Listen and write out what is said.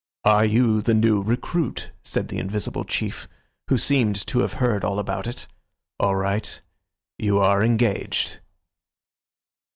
"Are you the new recruit?" said the invisible chief, who seemed to have heard all about it. "All right. You are engaged."